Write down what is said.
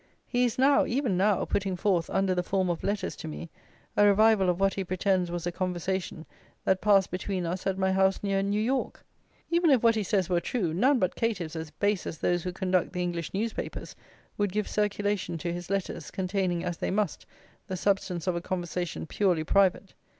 He is now, even now, putting forth, under the form of letters to me, a revival of what he pretends was a conversation that passed between us at my house near New York. Even if what he says were true, none but caitiffs as base as those who conduct the English newspapers, would give circulation to his letters, containing, as they must, the substance of a conversation purely private.